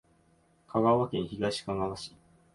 香川県東かがわ市